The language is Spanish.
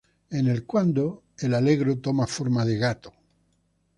En el "cuándo", el allegro toma forma de "gato".